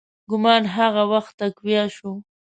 ګومان هغه وخت تقویه شو.